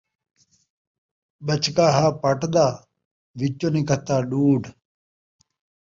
ٻچکا ہا پٹ دا، وچوں نکھتھا ݙوڈھ